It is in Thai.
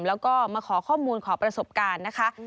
แล้วก็มาขอข้อมูลขอประสบการณ์นะคะ